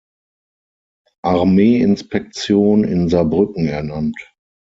Armee-Inspektion in Saarbrücken ernannt.